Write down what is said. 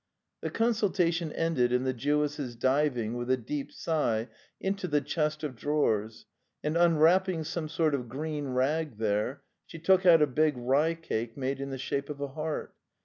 The consultation ended in the Jewess's diving with a deep sigh into the chest of drawers, and, unwrapping some sort of green rag there, she took out a big rye cake made in the shape of a heart.